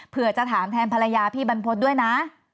เพื่อจะถามแทนภรรยาพี่บรรพฤษด้วยนะ